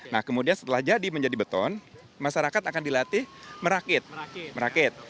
nah kemudian setelah jadi menjadi beton masyarakat akan dilatih merakit